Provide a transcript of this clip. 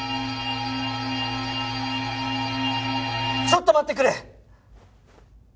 ちょっと待ってくれ！